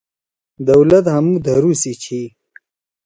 دولت ہأمُو دھرُو سی چھیا۔